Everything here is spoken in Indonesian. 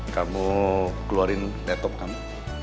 kamu keluarin laptop kamu